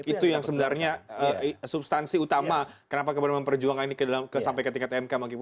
itu yang sebenarnya substansi utama kenapa kemudian memperjuangkan ini sampai ke tingkat emk